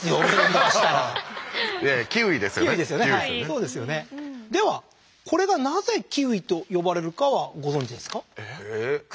ではこれがなぜキウイと呼ばれるかはご存じですか？